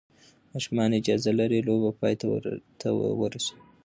ماشومان اجازه لري لوبه پای ته ورسوي.